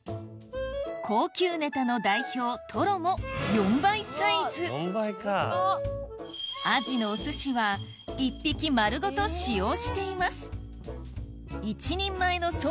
高級ネタの代表トロもアジのお寿司は１匹丸ごと使用しています